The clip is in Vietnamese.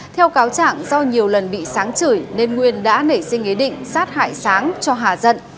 theo cáo trạng do nhiều lần bị sáng chửi nên nguyên đã nảy sinh ý định sát hại sáng cho hà dận